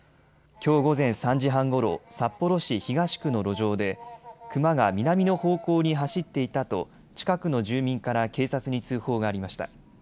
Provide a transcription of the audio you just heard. きょう午前３時半ごろ、札幌市東区の路上でクマが南の方向に走っていたと近くの住民から警察に通報がありました。